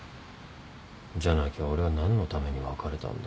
じゃなきゃ俺は何のために別れたんだ？